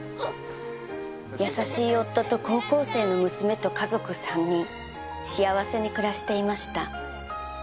優しい夫と高校生の娘と家族３人幸せに暮らしていました